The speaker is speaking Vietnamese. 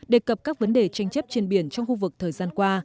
đề cập các vấn đề tranh chấp trên biển trong khu vực thời gian qua